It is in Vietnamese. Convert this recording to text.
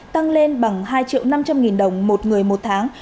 tăng lên bằng hai năm trăm linh nghìn đồng một người một tháng